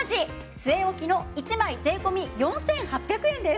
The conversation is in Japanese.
据え置きの１枚税込４８００円です。